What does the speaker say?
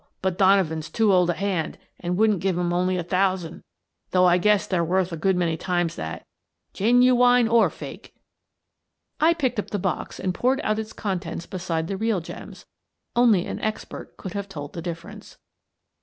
But Donovan's too old a hand, and wouldn't give him only a thousand, though I guess they're worth a good many times that, genuwine or fake." I picked up the box and poured out its contents beside the real gems : only an expert could have told the difference.